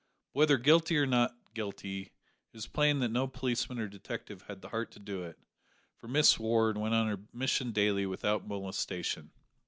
But, whether guilty or not guilty, it is plain that no policeman or detective had the heart to do it, for Miss Ward went on her mission daily without molestation.